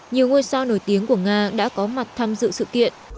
nhiều ngôi sao nổi tiếng của nga đã có mặt tham dự sự kiện